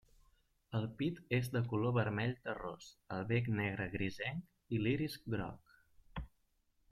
El pit és de color vermell terrós, el bec negre grisenc i l'iris groc.